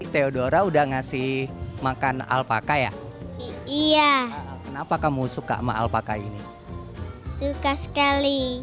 teodora udah ngasih makan alpaka ya iya kenapa kamu suka mahal pakai ini suka sekali